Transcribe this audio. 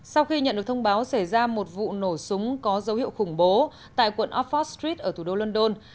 sau khi nhận được thông báo xảy ra một vụ nổ súng có dấu hiệu khủng bố tại quận offord strick ở thủ đô london